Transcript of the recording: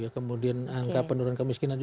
kemudian angka penurunan kemiskinan